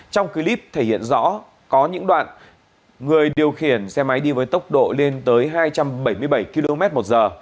trong clip thể hiện rõ có những đoạn người điều khiển xe máy đi với tốc độ lên tới hai trăm bảy mươi bảy km một giờ